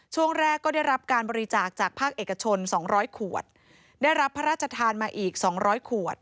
ช่วงแรกก็ได้รับการบริจาคจากภาคเอกชน๒๐๐ขวดได้รับพระราชทานมาอีก๒๐๐ขวด